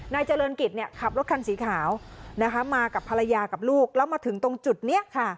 นายเจริญกิจเนี่ยขับรถคันสีขาวนะคะมากับภรรยากับลูกแล้วมาถึงตรงจุดนี้ค่ะ